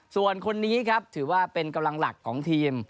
ส่วนคนนี้ครับถือว่าเป็นกำลังหลักของทีม